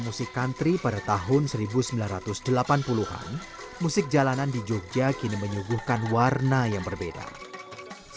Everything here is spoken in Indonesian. ada bunny kaya kalung kanan di dalam suande examples